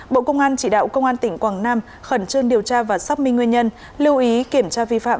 bộ công an chỉ đạo công an tỉnh quảng nam khẩn trương điều tra và xác minh nguyên nhân lưu ý kiểm tra vi phạm